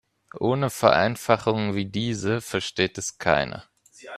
Ohne Vereinfachungen wie diese versteht es keiner.